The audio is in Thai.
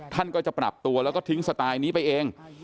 ท่านก็จะปรับตัวแล้วก็ทิ้งสไตล์นี้ไปเอง